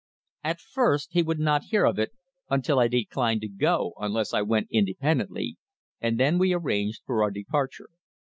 At first he would not hear of it, until I declined to go unless I went independently, and then we arranged for our departure.